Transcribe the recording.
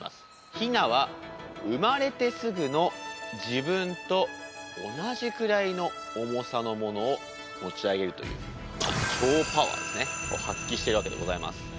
ヒナは生まれてすぐの自分と同じくらいの重さのものを持ち上げるという発揮してるわけでございます。